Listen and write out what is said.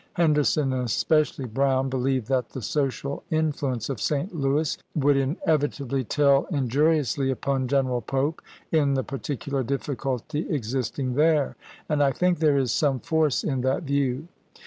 Henderson, and especially Brown, believe that the social influence of St. Louis would inevita bly teU injuriously upon General Pope in the par ticular difficulty existing there, and I think there is some force in that view.